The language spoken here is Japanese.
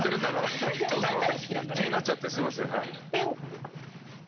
気になっちゃってすいません。